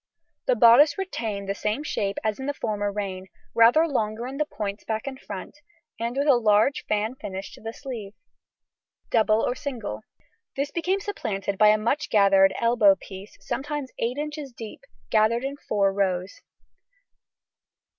] The bodice retained the same shape as in the former reign, rather longer in the points back and front, with a large fan finish to the sleeve, double or single; this became supplanted by a much gathered elbow piece, sometimes eight inches deep, gathered in four rows.